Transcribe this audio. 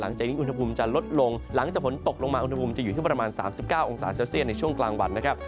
อุณหภูมิจะลดลงหลังจากผลตกลงมาอุณหภูมิจะอยู่ที่ประมาณ๓๙องศาเซลเซียนในช่วงกลางวัน